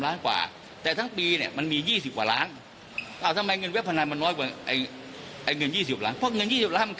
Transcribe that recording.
แล้วก็ไม่ได้อะไรก็เต่ะล้อนอีก